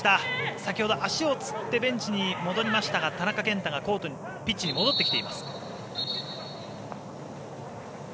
先ほど足をつってベンチに戻りましたが田中健太がピッチに戻ってきています。